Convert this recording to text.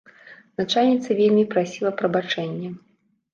Начальніца вельмі прасіла прабачэння.